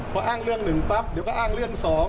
พออ้างเรื่อง๑ปั๊บเดี๋ยวก็อ้างเรื่อง๒